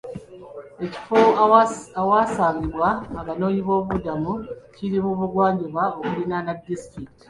Ekifo awasangibwa abanoonyiboobubudamu kiri mu bugwanjuba okuliraana disitulikiti.